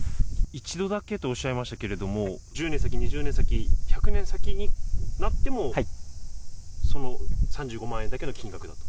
一度だけとおっしゃいましたけれども、１０年先、２０年先、１００年先になってもその３５万円だけの金額だと。